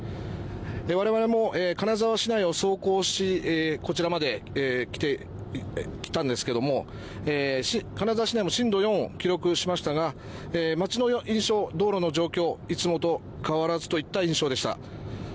我々も金沢市内を走行しこちらまで来たんですが金沢市内も震度４を記録しましたが街の印象、道路の状況はいつもと変わらずといった印象でした。